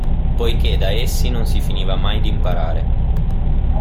Poiché da essi non si finiva mai di imparare.